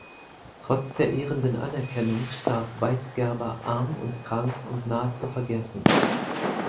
Trotz der ehrenden Anerkennung starb Weisgerber arm und krank und nahezu vergessen.